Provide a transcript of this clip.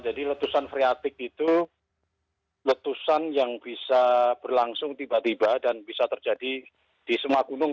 jadi letusan priatik itu letusan yang bisa berlangsung tiba tiba dan bisa terjadi di semua gunung